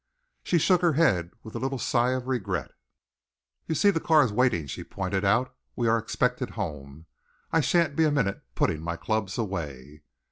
She shook her head with a little sigh of regret. "You see, the car is waiting," she pointed out. "We are expected home. I shan't be a minute putting my clubs away."